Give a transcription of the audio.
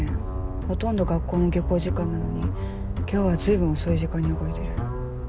ほとんど学校の下校時間なのに今日はずいぶん遅い時間に動いてる。